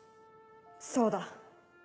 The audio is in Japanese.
そうだ。